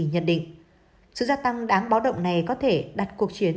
nhận định sự gia tăng đáng báo động này có thể đặt cuộc chiến